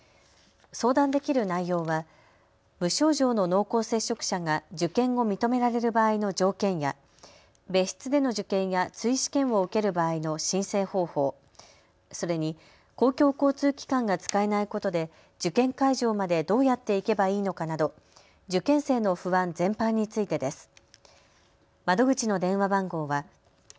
相談できる内容は無症状の濃厚接触者が受験を認められる場合の条件や別室での受験や追試験を受ける場合の申請方法、それに公共交通機関が使えないことで受験会場までどうやって行けばいいのかなど受験生の不安全般についてです。